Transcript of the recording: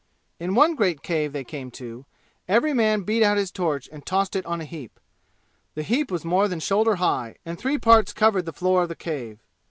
In one great cave they came to every man beat out his torch and tossed it on a heap. The heap was more than shoulder high, and three parts covered the floor of the cave.